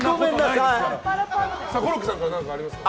コロッケさんからはありますか。